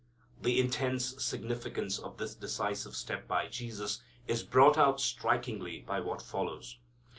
The intense significance of this decisive step by Jesus is brought out strikingly by what follows.